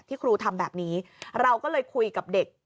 ครูทำแบบนี้เราก็เลยคุยกับเด็ก